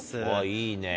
いいねぇ。